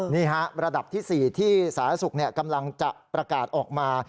นี่ฮะระดับที่๔ที่สาธารณสุขกำลังจะประกาศออกมา